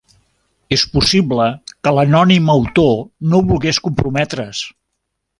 És possible que l'anònim autor no volgués comprometre's.